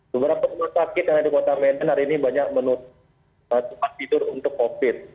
beberapa rumah sakit yang ada di kota medan hari ini banyak menutupkan fitur untuk covid sembilan belas